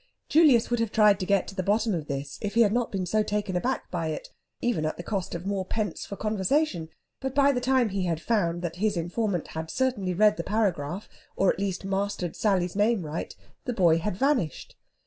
Julius would have tried to get to the bottom of this if he had not been so taken aback by it, even at the cost of more pence for conversation; but by the time he had found that his informant had certainly read the paragraph, or at least mastered Sally's name right, the boy had vanished.